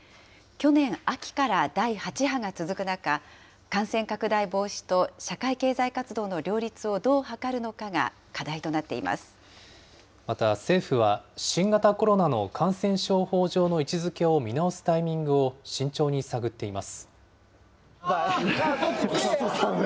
去年秋から第８波が続く中、感染拡大防止と社会経済活動の両立をどう図るのかが課題となってまた、政府は新型コロナの感染症法上の位置づけを見直すタイミングを慎重に探っています。